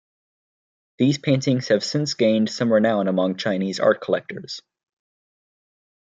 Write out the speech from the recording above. These paintings have since gained some renown among Chinese art collectors.